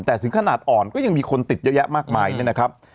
แต่ถึงขนาดอ่อนก็ยังมีคนติดเยอะแยะมากมายเนี่ยนะครับ